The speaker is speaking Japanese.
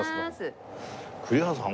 栗原さん